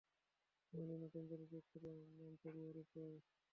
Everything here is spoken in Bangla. আমাদের নতুন চলচ্চিত্র মাঞ্চুরিয়ার উপর।